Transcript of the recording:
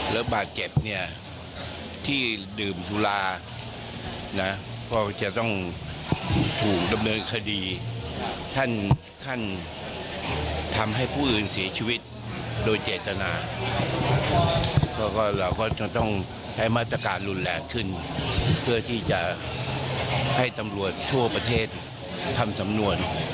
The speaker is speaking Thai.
เราก็ต้องให้มาตรการหลุนแหลกขึ้นเพื่อที่จะให้ตำรวจทั่วประเทศทำสำนวน